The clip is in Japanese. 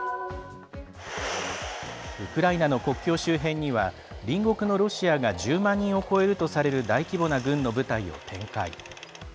ウクライナの国境周辺には隣国のロシアが１０万人を超えるとされる大規模な軍の部隊を展開。